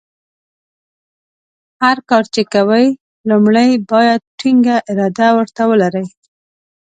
هر کار چې کوې لومړۍ باید ټینګه اراده ورته ولرې.